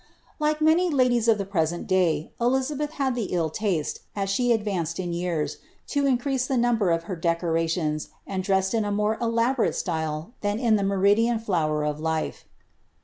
Like man ies of the present dsT, Elizabeth had the ill lasle, u (bt advanced '•' i, to increase the number of her Jeeoraiiona, and ilrcoed in H more ite style than in the meridian flower of life.